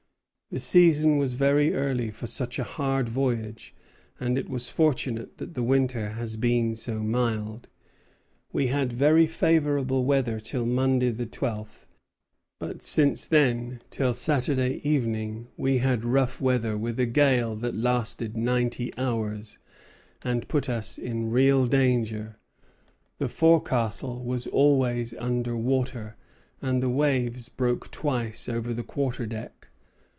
The season was very early for such a hard voyage, and it was fortunate that the winter has been so mild. We had very favorable weather till Monday the twelfth; but since then till Saturday evening we had rough weather, with a gale that lasted ninety hours, and put us in real danger. The forecastle was always under water, and the waves broke twice over the quarter deck.